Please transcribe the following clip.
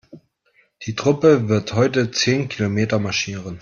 Die Truppe wird heute zehn Kilometer marschieren.